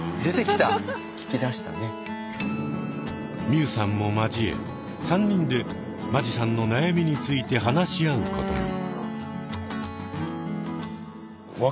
海さんも交え３人で間地さんの悩みについて話し合うことに。